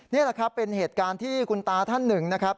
นี่แหละครับเป็นเหตุการณ์ที่คุณตาท่านหนึ่งนะครับ